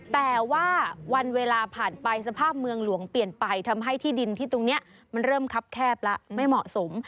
แต่ว่าวันเวลาผ่านไปสภาพเมืองหลวงเปลี่ยนไปทำให้ที่ดินที่ตรงนี้มันเริ่มคับแคบแล้วไม่เหมาะสม